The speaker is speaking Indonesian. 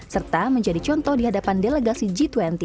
serta menjadi contoh di hadapan delegasi g dua puluh